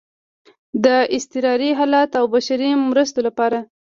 د اضطراري حالاتو او بشري مرستو لپاره